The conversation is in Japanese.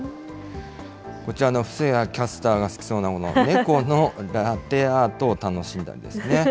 こちらの布施谷キャスターが好きそうなもの、猫のラテアートを楽しんだんですね。